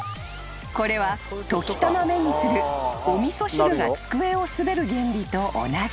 ［これは時たま目にするお味噌汁が机を滑る原理と同じ］